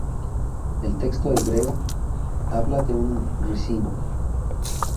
El texto hebreo habla de un ricino.